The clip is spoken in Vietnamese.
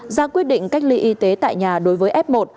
ra quyết định cách ly y tế tại nhà đối với f một